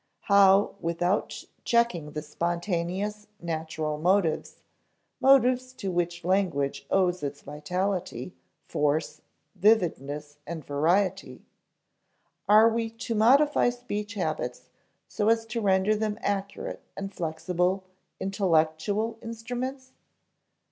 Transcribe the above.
How without checking the spontaneous, natural motives motives to which language owes its vitality, force, vividness, and variety are we to modify speech habits so as to render them accurate and flexible intellectual instruments?